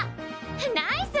ナイス！